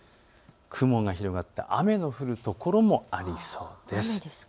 雲が広がって雨の降る所もありそうです。